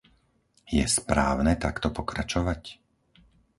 Je správne takto pokračovať?